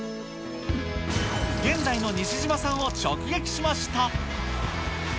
現在の西島さんを直撃しました。